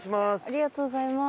ありがとうございます。